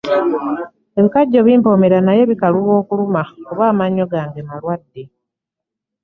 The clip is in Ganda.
Ebikajjo bimpoomera naye bikaluba okuluma luba amannyo gange malwadde.